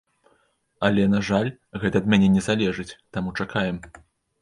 Але, на жаль, гэта ад мяне не залежыць, таму чакаем.